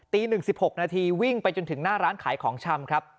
๑๖นาทีวิ่งไปจนถึงหน้าร้านขายของชำครับ